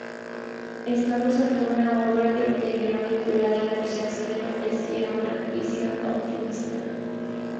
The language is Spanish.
Estamos ante una obra que todavía vinculada a la abstracción, ofrecía una visión optimista.